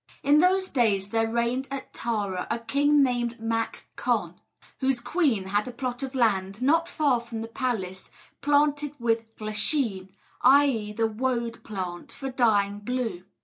In those days there reigned at Tara a king named Mac Con, whose queen had a plot of land, not far from the palace, planted with glasheen, i.e., the woad plant, for dyeing blue.